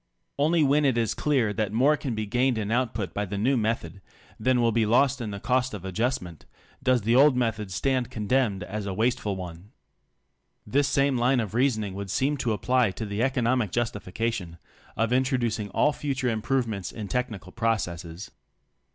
Only zvlicn it is clear that more can be gained in output by the nezv method, than will be lost in the cost of adjustment, does the old method stand condemned as a wasteful one. This same line of reason ing would seem to apply to the economic justification of introducing all future improvements in technical processes.